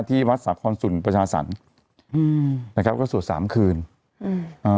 ที่วัดสาปความสุลประชาสันอืมนะครับก็สวดสามคืนอืม